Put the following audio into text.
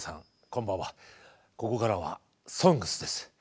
こんばんはここからは「ＳＯＮＧＳ」です。